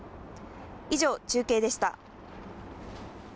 以上、中継でした。